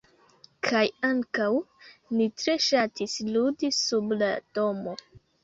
Kaj ankaŭ, ni tre ŝatis ludi sub la domo.